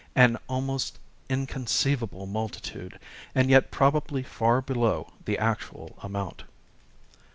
An almost inconceivable multitude, and yet probably far below the actual amount."